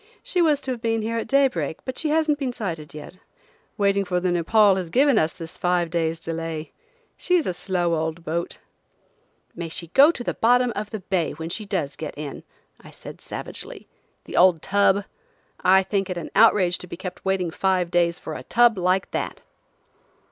"She was to have been here at daybreak, but she hasn't been sighted yet. Waiting for the Nepaul has given us this five days' delay. She's a slow old boat." "May she go to the bottom of the bay when she does get in!" I said savagely. "The old tub! I think it an outrage to be kept waiting five days for a tub like that."